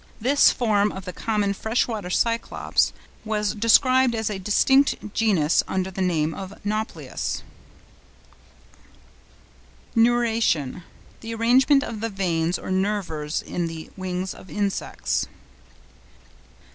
This form of the common fresh water Cyclops was described as a distinct genus under the name of Nauplius. NEURATION.—The arrangement of the veins or nervures in the wings of insects.